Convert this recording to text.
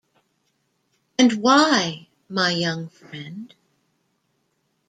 And why, my young friend?